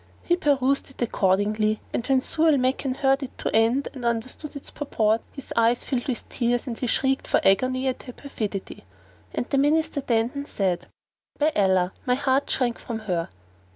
He perused it accordingly; and, when Zau al Makan heard it to end and understood its purport, his eyes filled with tears and he shrieked for agony at her perfidy; and the Minister Dandan said, "By Allah, my heart shrank from her!"